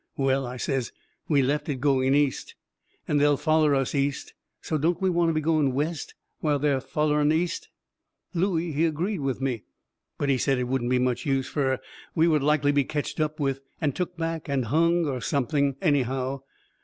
"Well," I says, "we left it going east, and they'll foller us east; so don't we want to be going west while they're follering east?" Looey, he agreed with me. But he said it wouldn't be much use, fur we would likely be ketched up with and took back and hung or something, anyhow.